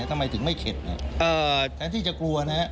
ทำไมถึงไม่เข็ดแทนที่จะกลัวนะฮะ